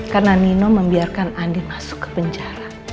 karena nino membiarkan andi masuk ke penjara